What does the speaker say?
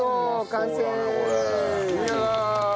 完成！